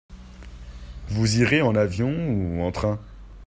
Vous irez en avion ou en train ?